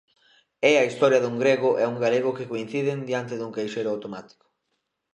É a historia dun grego e un galego que coinciden diante dun caixeiro automático.